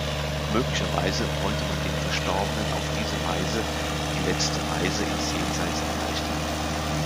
Möglicherweise wollte man den Verstorbenen auf diese Weise die "letzte Reise" ins Jenseits erleichtern.